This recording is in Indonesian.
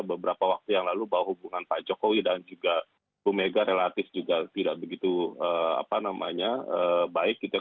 beberapa waktu yang lalu bahwa hubungan pak jokowi dan juga bu mega relatif juga tidak begitu baik gitu ya